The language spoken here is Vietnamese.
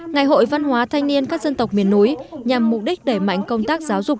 ngày hội văn hóa thanh niên các dân tộc miền núi nhằm mục đích đẩy mạnh công tác giáo dục